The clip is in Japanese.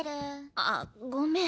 あっごめん。